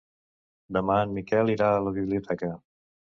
Demà en Miquel irà a la biblioteca.